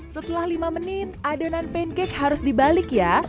setelah lima menit adonan pancake harus dibalik ya